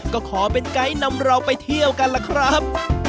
ก็ขอเป็นไกด์นำเราไปเที่ยวกันล่ะครับ